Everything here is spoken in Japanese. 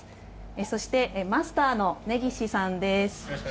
そしてマスターの根岸さんです。